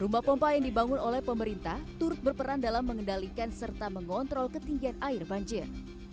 rumah pompa yang dibangun oleh pemerintah turut berperan dalam mengendalikan serta mengontrol ketinggian air banjir